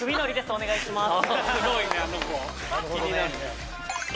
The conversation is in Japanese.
お願いします